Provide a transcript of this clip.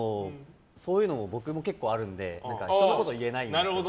そういうの、僕も結構あるので人のこと言えないんですよ。